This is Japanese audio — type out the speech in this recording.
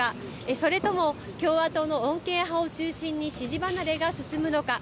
それとも共和党の穏健派を中心に支持離れが進むのか。